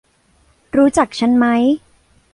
รู้จักฉันไหม ?